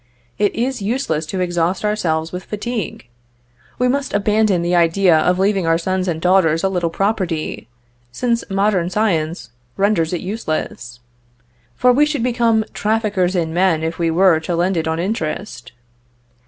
It is useless to exhaust ourselves with fatigue; we must abandon the idea of leaving our sons and daughters a little property, since modern science renders it useless, for we should become trafficers in men if we were to lend it on interest.